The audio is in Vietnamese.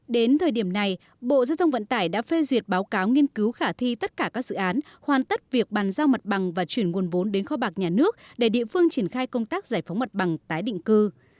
đến thời điểm này bộ giao thông vận tải đã phê duyệt báo cáo nghiên cứu khả thi tất cả các dự án hoàn tất việc bàn giao mặt bằng và chuyển nguồn vốn đến kho bạc nhà nước để địa phương triển khai công tác giải phóng mặt bằng tái định cư